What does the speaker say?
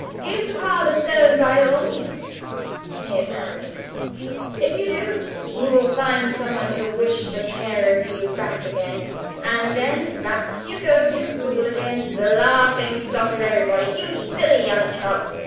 "Give papa the Stone by all means," sneered Paradine. "If you do, he will find some one to wish the pair of you back again, and then, back you go to school again, the laughing stock of everybody, you silly young cub!"